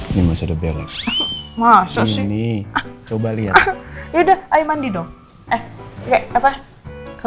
ini masih ada belakang